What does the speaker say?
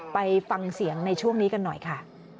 ไปฟังเสียงในช่วงนี้กันหน่อยค่ะ